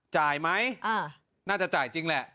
จ่ายไหมน่าจะจ่ายจริงแหละ